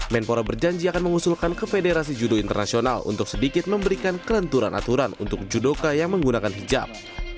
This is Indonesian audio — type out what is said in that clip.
menpora berjanji akan mengusulkan ke federasi judo internasional untuk sedikit memberikan kelenturan aturan untuk judoka yang menggunakan hijab